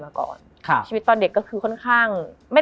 มันทำให้ชีวิตผู้มันไปไม่รอด